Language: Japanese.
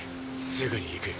すぐに行く。